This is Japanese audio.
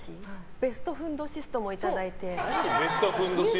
ベストフンドシストもいただいて。